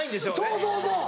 そうそうそう。